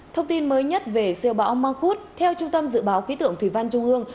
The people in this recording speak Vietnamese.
thông tin mới nhất về siêu bão mangkut theo trung tâm dự báo khí tượng thủy văn trung hương